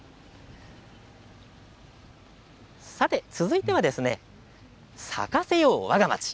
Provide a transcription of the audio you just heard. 続いては咲かせようわがまち！